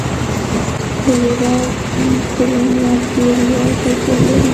د لوګر کرومایټ ډیر لوړ کیفیت لري.